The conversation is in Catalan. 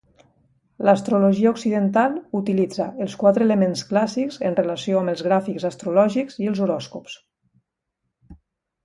L'astrologia occidental utilitza els quatre elements clàssics en relació amb els gràfics astrològics i els horòscops.